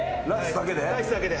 ライスだけで？